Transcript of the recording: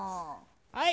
はい！